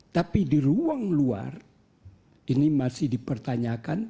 tapi di ruang luar ini masih dipertanyakan